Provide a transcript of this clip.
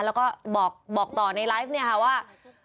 แล้วก็บอกต่อในไลฟ์เนี่ยค่ะว่า